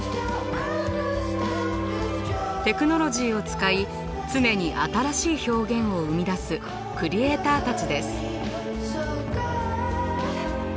テクノロジーを使い常に新しい表現を生み出すクリエーターたちです。